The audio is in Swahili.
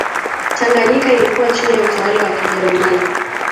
tanganyika ilikuwa chini ya utawala wa kijerumani